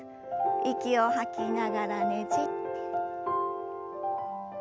息を吐きながらねじって。